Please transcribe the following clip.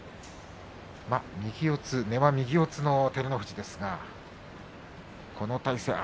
根は右四つの照ノ富士ですがこの体勢